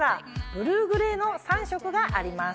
ブルーグレーの３色があります。